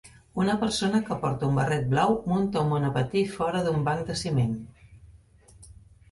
Una persona que porta un barret blau munta un monopatí fora d'un banc de ciment.